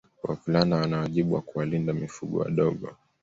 Wavulana wana wajibu wa kuwalinda mifugo wadogo